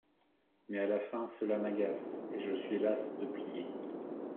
Mais à la fin, cela m’agace, Et je suis lasse de plier !